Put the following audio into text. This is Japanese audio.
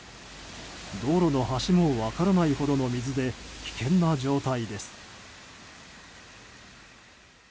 道路の端も分からないほどの水で危険な状態です。